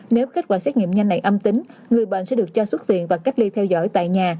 nếu kết quả xét nghiệm nhanh này âm tính người bệnh sẽ được cho xuất viện và cách ly theo dõi tại nhà